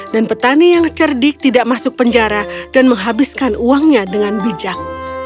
dan petani yang cerdik tidak masuk penjara dan menghabiskan uangnya dengan bijak